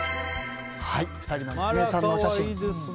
２人の娘さんのお写真。